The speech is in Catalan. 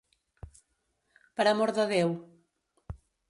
Per amor de Déu.